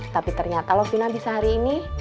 tapi ternyata lovina bisa hari ini